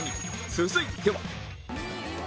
続いては